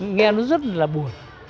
nghe nó rất là buồn